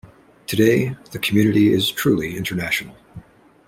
Today the community is truly international.